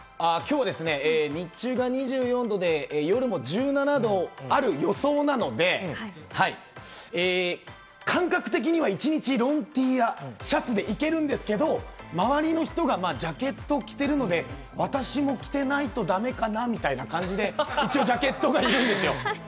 今日は日中は２４度で夜も１７度ある予想なので、感覚的には一日、ロンＴやシャツでいけるんですけど、周りの人がジャケットを着てるので、私も着てないとだめかなみたいな感じで、一応ジャケットがいるんですよ。